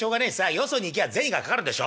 よそに行きゃあ銭がかかるでしょ？